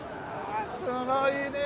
すごいね